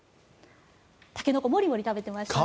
タケノコをモリモリ食べてましたね。